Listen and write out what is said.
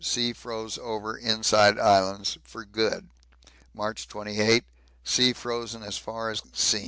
Sea froze over inside Islands for good. March 28. Sea frozen as far as seen.